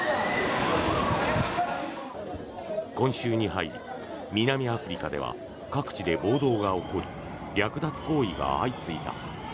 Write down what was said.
今週に入り、南アフリカでは各地で暴動が起こり略奪行為が相次いだ。